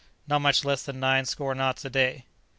"Not much less than nine score knots a day."